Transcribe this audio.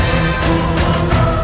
aku tak bisa